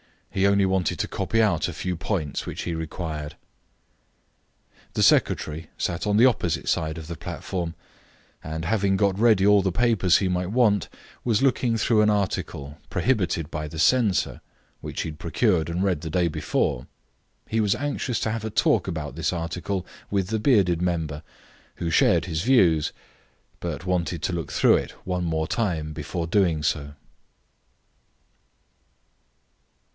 He only wanted to copy out a few points which he required. The secretary sat on the opposite side of the platform, and, having got ready all the papers he might want, was looking through an article, prohibited by the censor, which he had procured and read the day before. He was anxious to have a talk about this article with the bearded member, who shared his views, but wanted to look through it once more before doing so.